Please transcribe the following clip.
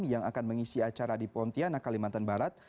yang akan mengisi acara di pontianak kalimantan barat